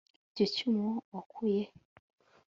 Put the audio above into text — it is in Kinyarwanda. Icyo cyuma wakuye he